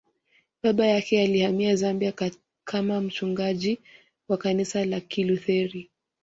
Baba yake alihamia Zambia kama mchungaji wa kanisa la Kilutheri